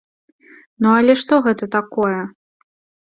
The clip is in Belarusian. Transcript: Ну але што гэта такое?